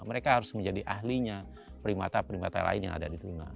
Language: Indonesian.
mereka harus menjadi ahlinya primata primata lain yang ada di dunia